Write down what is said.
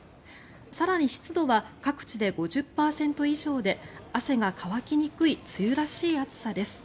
更に湿度は各地で５０％以上で汗が乾きにくい梅雨らしい暑さです。